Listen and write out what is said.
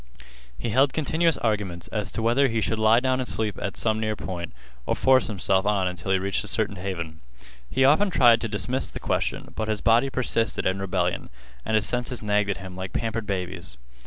He held continuous arguments as to whether he should lie down and sleep at some near spot, or force himself on until he reached a certain haven. He often tried to dismiss the question, but his body persisted in rebellion and his senses nagged at him like pampered babies.